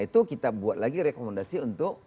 itu kita buat lagi rekomendasi untuk